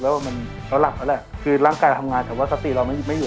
ล้อหล่อมาแหล่ะคือร่างกายทำงานแต่ว่าทรัพย์เรามีไม่อยู่